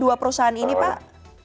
dua perusahaan ini pak